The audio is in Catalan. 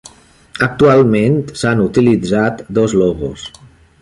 Actualment s'han utilitzat dos logos.